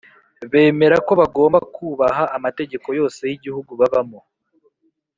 bemera ko bagomba kubaha amategeko yose y’igihugu babamo